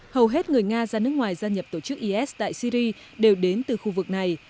hầu hết người nga ra nước ngoài gia nhập tổ chức is tại syri đều đến từ khu vực này